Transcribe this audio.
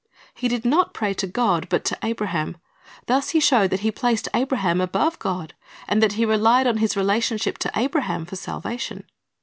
He did not pray to God, but to Abraham. Thus he showed that he placed Abraham above God, and that he relied on his relationship to Abraham for salvation.